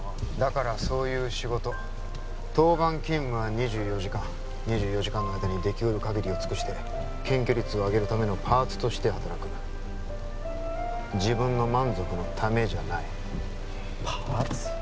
だからそういう仕事当番勤務は２４時間２４時間の間にできうる限りを尽くして検挙率を上げるためのパーツとして働く自分の満足のためじゃないパーツ？